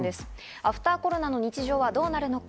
アフターコロナの日常はどうなるのか。